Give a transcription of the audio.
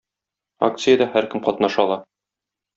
Акциядә һәркем катнаша ала.